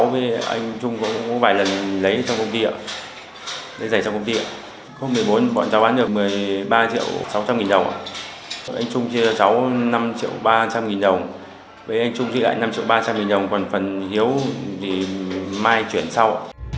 với anh trung trị lại năm triệu ba trăm linh nghìn đồng còn phần hiếu thì mai chuyển sau